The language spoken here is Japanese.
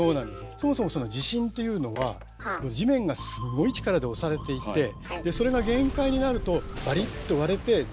そもそもその地震というのは地面がすごい力で押されていてでそれが限界になるとバリッと割れてずれる。